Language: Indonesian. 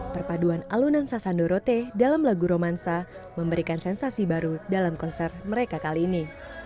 perpaduan alunan sasando rote dalam lagu romansa memberikan sensasi baru dalam konser mereka kali ini